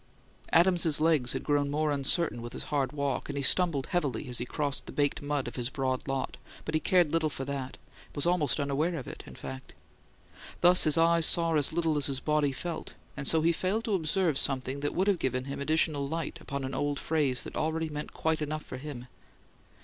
Adams's legs had grown more uncertain with his hard walk, and he stumbled heavily as he crossed the baked mud of his broad lot, but cared little for that, was almost unaware of it, in fact. Thus his eyes saw as little as his body felt, and so he failed to observe something that would have given him additional light upon an old phrase that already meant quite enough for him.